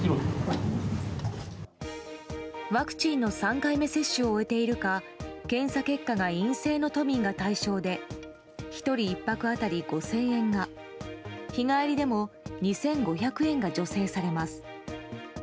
ワクチンの３回目接種を終えているか検査結果が陰性の都民が対象で１人１泊当たり５０００円が日帰りでも２５００円が助成されます。